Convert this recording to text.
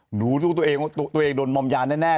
หนูรู้ตัวเองโดนมอมยาแน่